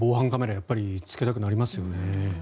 やっぱりつけたくなりますよね。